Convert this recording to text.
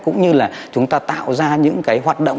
cũng như là chúng ta tạo ra những cái hoạt động